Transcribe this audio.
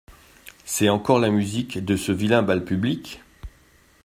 C’est encore la musique de ce vilain bal public…